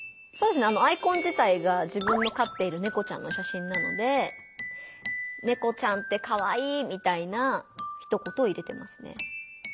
アイコン自体が自分のかっているネコちゃんの写真なので「ネコちゃんってカワイイ」みたいなひと言を入れてますね。